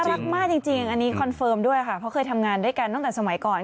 รักมากจริงอันนี้คอนเฟิร์มด้วยค่ะเพราะเคยทำงานด้วยกันตั้งแต่สมัยก่อน